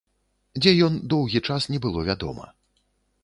Дзе ён, доўгі час не было вядома.